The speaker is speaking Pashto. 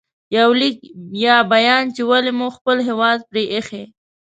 • یو لیک یا بیان چې ولې مو خپل هېواد پرې ایښی